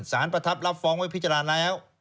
ประทับรับฟ้องไว้พิจารณาแล้ว